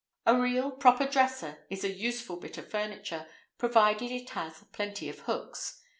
A real, proper dresser is a useful bit of furniture, provided it has plenty of hooks.